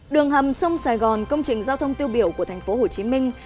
đường hầm sông sài gòn công trình giao thông tiêu biểu của thành phố hồ chí minh